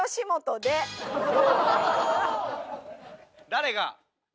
「誰が」。